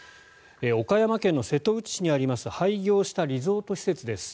岡山県の瀬戸内市にあります廃業したリゾート施設です。